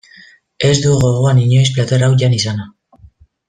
Ez dut gogoan inoiz plater hau jan izana.